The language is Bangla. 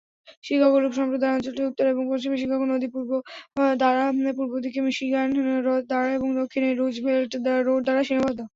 শিকাগো লুপ সম্প্রদায়ের অঞ্চলটি উত্তর এবং পশ্চিমে শিকাগো নদী দ্বারা পূর্বদিকে মিশিগান হ্রদ দ্বারা এবং দক্ষিণে রুজভেল্ট রোড দ্বারা সীমাবদ্ধ।